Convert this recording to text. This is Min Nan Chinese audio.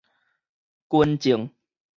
軍政